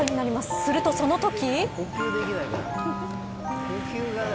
すると、そのとき。